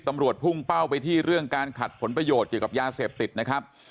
พุ่งเป้าไปที่เรื่องการขัดผลประโยชน์เกี่ยวกับยาเสพติดนะครับ